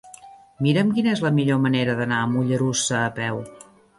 Mira'm quina és la millor manera d'anar a Mollerussa a peu.